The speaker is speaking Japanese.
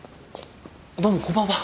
どうもこんばんは。